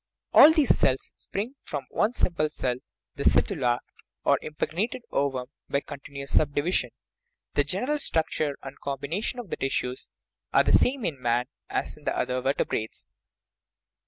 All these spring from one simple cell, the cytula, or im 26 OUR BODILY FRAME pregnated ovum, by continuous subdivision. The gen* eral structure and combination of the tissues are the same in man as in the other vertebrates.